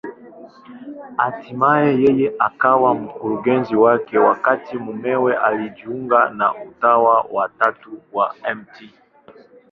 Hatimaye yeye akawa mkurugenzi wake, wakati mumewe alijiunga na Utawa wa Tatu wa Mt.